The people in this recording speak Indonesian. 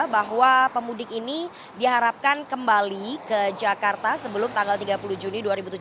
bahwa pemudik ini diharapkan kembali ke jakarta sebelum tanggal tiga puluh juni dua ribu tujuh belas